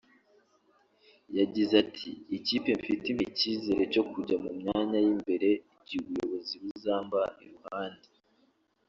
yagize ati "Ikipe mfite impa icyizere cyo kujya mu myanya y’imbere igihe ubuyobozi buzamba iruhande